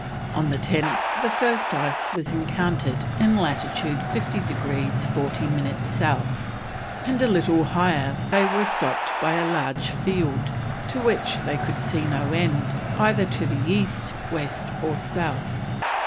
On the 10th the first ice was encountered in latitude 50 degrees 40 minutes South, and a little higher they were stopped by a large field, to which they "could see no end, either to the east, west, or south."